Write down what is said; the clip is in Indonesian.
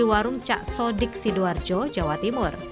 harga sudah jadinya trzeba dulu